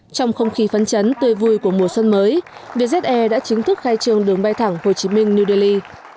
trong không khí phấn chấn tươi vui của mùa xuân mới vietjet air đã chính thức khai trương đường bay thẳng hồ chí minh new delhi